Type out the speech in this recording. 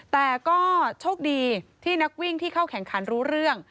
แต่ก็โชคดีที่นักวิ่งที่เข้าแข่งขันรู้เรื่อง